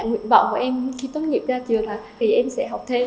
nguyện vọng của em khi tốt nghiệp ra trường là thì em sẽ học thêm